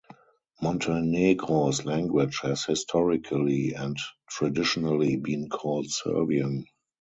Montenegro's language has historically and traditionally been called Serbian.